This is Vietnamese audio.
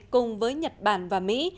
cùng với nhật bản và mỹ